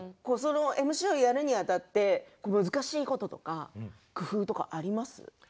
ＭＣをやるにあたって難しいこととか工夫とかありますか？